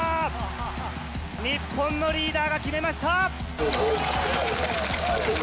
日本のリーダーが決めました。